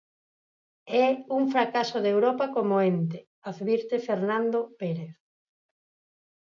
É un fracaso de Europa como ente, advirte Fernando Pérez.